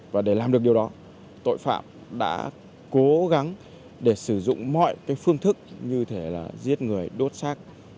và để làm được điều đó tội phạm đã cố gắng để sử dụng mọi cái phương thức như thể là giết người đốt xác